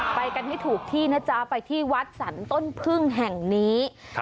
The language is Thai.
ไปกันให้ถูกที่นะจ๊ะไปที่วัดสรรต้นพึ่งแห่งนี้ครับ